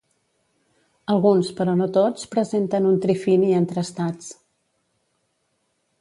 Alguns, però no tots, presenten un trifini entre estats.